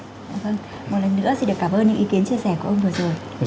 vâng một lần nữa xin được cảm ơn những ý kiến chia sẻ của ông vừa rồi